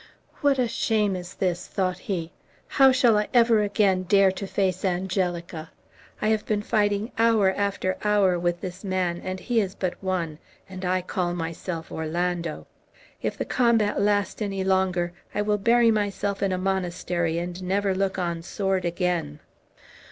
"What a shame is this!" thought he; "how shall I ever again dare to face Angelica! I have been fighting hour after hour with this man, and he is but one, and I call myself Orlando! If the combat last any longer I will bury myself in a monastery, and never look on sword again."